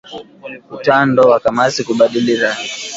Utando wa kamasi kubadili rangi